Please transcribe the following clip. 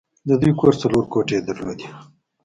د دوی کور څلور کوټې درلودې